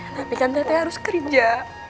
tapi kan tete harus kerja